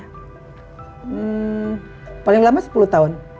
hmm paling lama sepuluh tahun